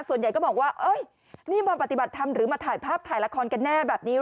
ส่วนใหญ่ก็บอกว่านี่มาปฏิบัติธรรมหรือมาถ่ายภาพถ่ายละครกันแน่แบบนี้